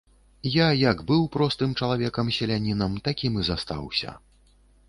Я, як быў простым чалавекам-селянінам, такім і застаўся.